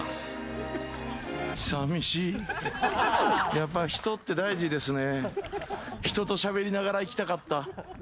やっぱ人って大事ですね。